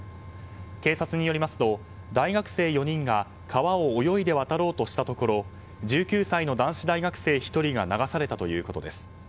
警察によりますと、大学生４人が川を泳いで渡ろうとしたところ１９歳の男子大学生１人が流されたということです。